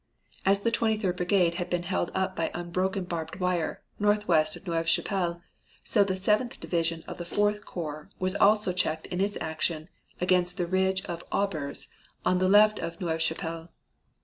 As the Twenty third Brigade had been held up by unbroken barbed wire northwest of Neuve Chapelle, so the Seventh Division of the Fourth Corps was also checked in its action against the ridge of Aubers on the left of Neuve Chapelle.